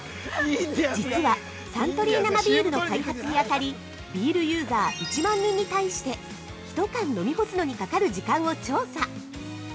◆実は、サントリー生ビールの開発にあたり、ビールユーザー１万人に対して１缶飲み干すのにかかる時間を調査。